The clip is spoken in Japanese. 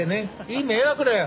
いい迷惑だよ。